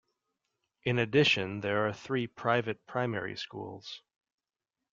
In addition there are three private primary schools.